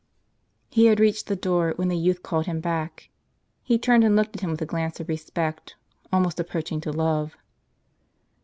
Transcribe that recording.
He had reached the door, when the youth called him back. He turned and looked at him with a glance of respect, almost approaching to love.